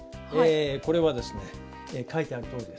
これはですね書いてあるとおりです。